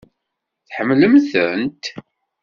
Tḥemmlem-tent?